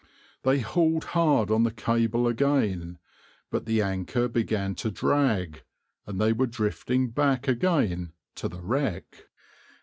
They hauled hard on the cable again, but the anchor began to drag, and they were drifting back again to the wreck.